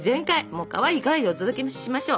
もうかわいいかわいいでお届けしましょう。